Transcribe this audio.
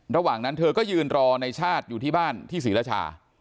ระหว่างนั้นเธอก็ยืนรอในชาติอยู่ที่บ้านที่ศรีราชา